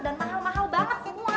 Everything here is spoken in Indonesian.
dan mahal mahal banget semua